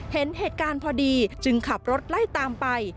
เห็นเหตุการณ์พอดีจึงขับรถไล่ตามไป